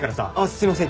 すいません。